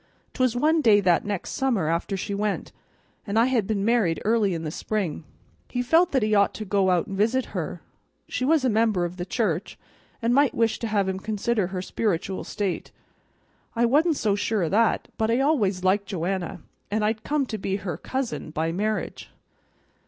'Twas one day that next summer after she went, and I had been married early in the spring. He felt that he ought to go out and visit her. She was a member of the church, and might wish to have him consider her spiritual state. I wa'n't so sure o' that, but I always liked Joanna, and I'd come to be her cousin by marriage.